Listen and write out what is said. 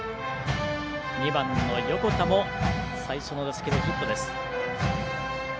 ２番の横田も最初の打席でヒット。